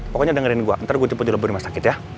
pokoknya dengerin gua ntar gua tipe di lebur mas sakit ya